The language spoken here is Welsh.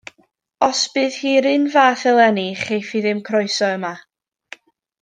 Os bydd hi'r un fath eleni cheiff hi ddim croeso yma.